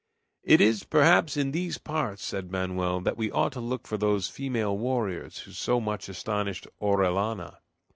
"It is perhaps in these parts," said Manoel, "that we ought to look for those female warriors who so much astonished Orellana.